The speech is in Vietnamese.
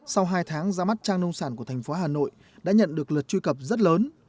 sau hai tháng ra mắt trang nông sản của thành phố hà nội đã nhận được lượt truy cập rất lớn